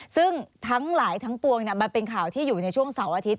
ซึ่งทั้งหลายทั้งปวงมันเป็นข่าวที่อยู่ในช่วงเสาร์อาทิตย